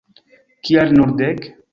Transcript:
Kial nur dek?